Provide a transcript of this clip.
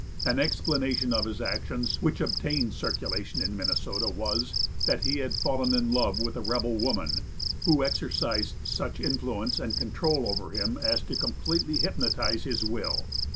An explanation of his actions which obtained circulation in Minnesota was, that he had fallen in love with a rebel woman, who exercised such influence and control over him as to completely hypnotize his will.